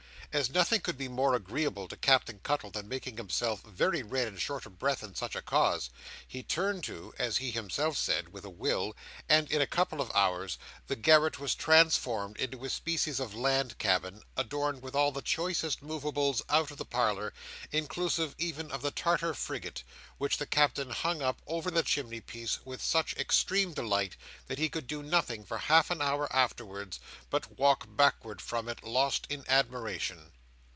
As nothing could be more agreeable to Captain Cuttle than making himself very red and short of breath in such a cause, he turned to (as he himself said) with a will; and, in a couple of hours, this garret was transformed into a species of land cabin, adorned with all the choicest moveables out of the parlour, inclusive even of the Tartar frigate, which the Captain hung up over the chimney piece with such extreme delight, that he could do nothing for half an hour afterwards but walk backward from it, lost in admiration.